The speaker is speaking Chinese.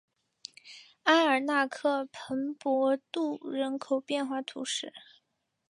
阿尔纳克蓬帕杜人口变化图示